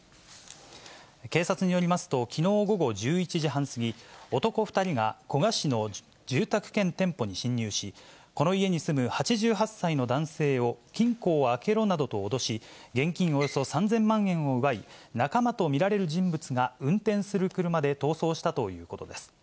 警察によりますと、きのう午後１１時半過ぎ、男２人が古河市の住宅兼店舗に侵入し、この家に住む８８歳の男性を、金庫を開けろなどと脅し、現金およそ３０００万円を奪い、仲間と見られる人物が運転する車で逃走したということです。